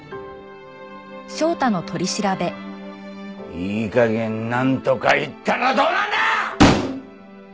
いい加減なんとか言ったらどうなんだ！